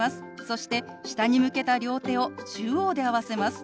そして下に向けた両手を中央で合わせます。